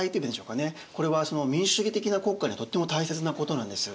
これは民主主義的な国家にはとっても大切なことなんです。